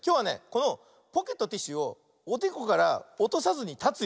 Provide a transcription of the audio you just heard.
このポケットティッシュをおでこからおとさずにたつよ。